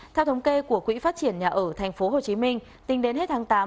theo thống kê của quỹ phát triển nhà ở tp hcm tính đến hết tháng tám